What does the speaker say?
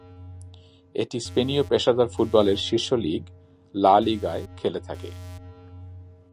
এটি স্পেনীয় পেশাদার ফুটবলের শীর্ষ লীগ, লা লিগায় খেলে থাকে।